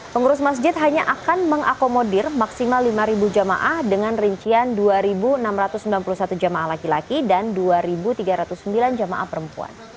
pengurus masjid hanya akan mengakomodir maksimal lima jamaah dengan rincian dua enam ratus sembilan puluh satu jamaah laki laki dan dua tiga ratus sembilan jamaah perempuan